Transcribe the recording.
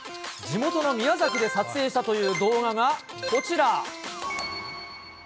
地元の宮崎で撮影したという動画がこちら。